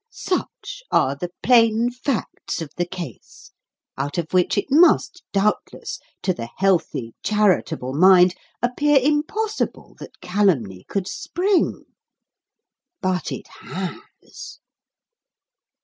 Such are the plain facts of the case, out of which it must, doubtless, to the healthy, charitable mind appear impossible that calumny could spring. But it has.